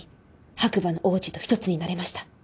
白馬の王子とひとつになれました。